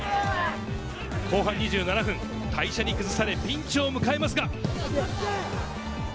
後半２７分、大社に崩されピンチを迎えますが。